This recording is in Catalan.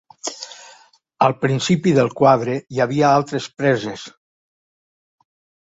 Al principi del quadre hi havia altres preses.